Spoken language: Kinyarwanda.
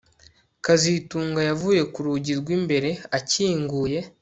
kazitunga yavuye ku rugi rwimbere akinguye